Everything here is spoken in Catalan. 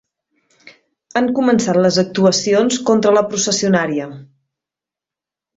Han començat les actuacions contra la processionària.